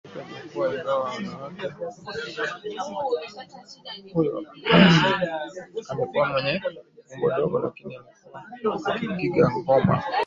akiwa katika jukwaa Ingawa mwanamke huyo alikuwa mwenye umbo dogo lakini alikuwa akipiga ngoma